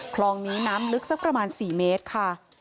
คลองนี้น้ำลึกสักประมาณ๔เมตรค่ะ